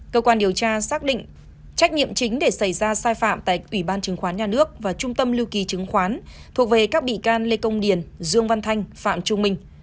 cơ quan điều tra xác định trách nhiệm chính để xảy ra sai phạm tại ủy ban chứng khoán nhà nước và trung tâm lưu ký chứng khoán thuộc về các bị can lê công điền dương văn thanh phạm trung minh